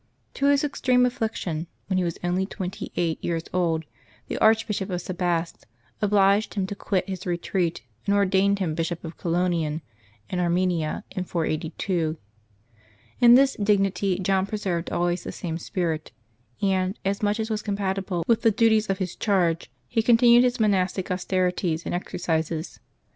To his extreme affliction, when he was only twenty eight years old, the Archbishop of Sebaste obliged him to quit his retreat, and ordained him Bishop of Colonian in Arme nia, in 482. In this dignity John preserved always the same spirit, and, as much as was compatible with the duties of his charge, continued his monastic austerities and exercises.